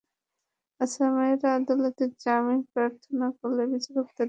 আসামিরা আদালতে জামিন প্রার্থনা করলে বিচারক তাঁদের জামিন নামঞ্জুর করে কারাগারে পাঠান।